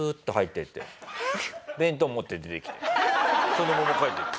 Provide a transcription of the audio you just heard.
そのまま帰っていった。